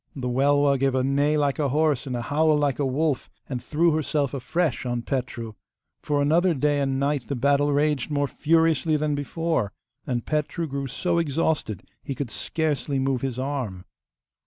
The Welwa gave a neigh like a horse and a howl like a wolf, and threw herself afresh on Petru. For another day and night the battle raged more furiously than before. And Petru grew so exhausted he could scarcely move his arm.